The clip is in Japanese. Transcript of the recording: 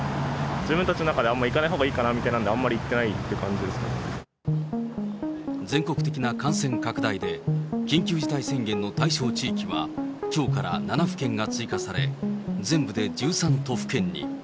自分たちの中であんま行かないほうがいいかなっていうんで、全国的な感染拡大で、緊急事態宣言の対象地域はきょうから７府県が追加され、全部で１３都府県に。